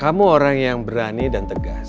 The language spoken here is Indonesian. kamu orang yang berani dan tegas